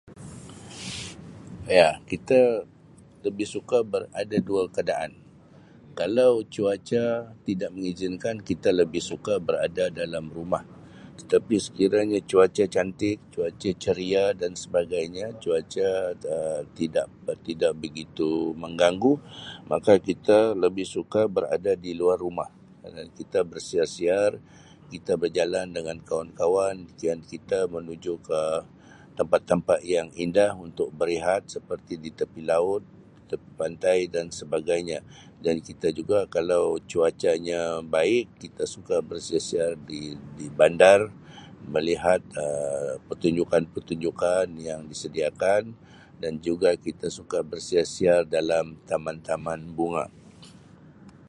Ya, kita lebih suka ber ada dua keadaan kalau cuaca tidak mengizinkan kita lebih suka berada dalam rumah tetapi sekiranya cuaca cantik cuaca ceria dan sebagainya cuaca Um tidak tidak begitu menggangu maka kita lebih suka berada di luar rumah Um kita bersiar-siar kita bejalan dengan kawan-kawan dan kita menuju ke tempat-tempat yang indah untuk berehat seperti di tepi laut, di tepi pantai dan sebagainya dan kita juga kalau cuacanya baik kita suka bersiar-siar di-di bandar melihat Um pertunjukan-pertunjukan yang disediakan dan juga kita suka bersiar-siar dalam taman-taman bunga.